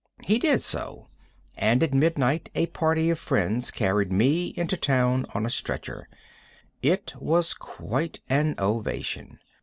He did so, and at midnight a party of friends carried me into town on a stretcher. It was quite an ovation.